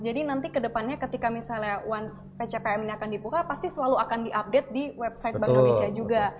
jadi nanti kedepannya ketika misalnya once pcpm ini akan dibuka pasti selalu akan diupdate di website bank indonesia juga